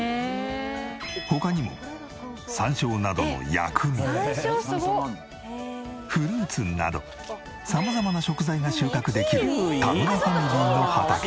他にも山椒などの薬味フルーツなど様々な食材が収穫できる田村ファミリーの畑。